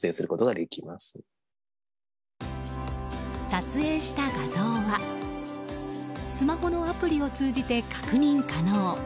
撮影した画像はスマホのアプリを通じて確認可能。